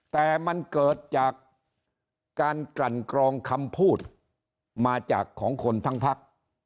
แต่มันเกิดจากการกลั่นกรองคำพูดมาจากของคนทั้งพัก